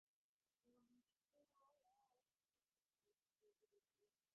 তিনি কয়েকশ্ত জাহাজ পাঠান।